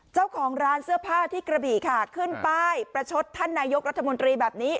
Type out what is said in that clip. เจ้าของร้านเสื้อผ้าที่กระบี่ค่ะขึ้นป้ายประชดท่านนายกรัฐมนตรีแบบนี้